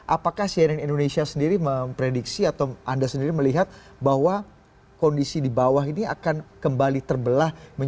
apakah cnn indonesia sendiri memprediksi atau anda sendiri melihat bahwa kondisi di bawah ini akan kembali terbelah